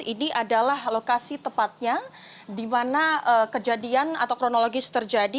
ini adalah lokasi tepatnya di mana kejadian atau kronologis terjadi